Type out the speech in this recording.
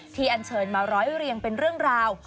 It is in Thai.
อันเชิญมาร้อยเรียงเป็นเรื่องราว